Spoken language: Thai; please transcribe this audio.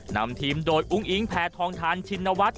นำทีมโดยอุ้งอิงแพทองทานชินวัฒน